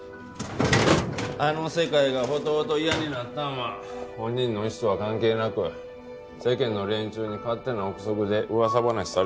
あの世界がほとほと嫌になったんは本人の意思とは関係なく世間の連中に勝手な臆測で噂話される事や。